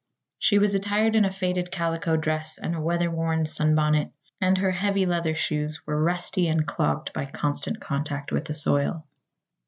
She was attired in a faded calico dress and a weatherworn sunbonnet, and her heavy leather shoes were rusty and clogged by constant contact with the soil.